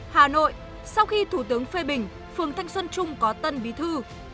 hà nội sau khi thủ tướng phê bình phường thanh xuân trung có tân bí thư